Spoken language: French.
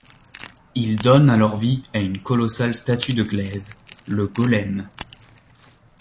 Il donne alors vie à une colossale statue de glaise, le Golem.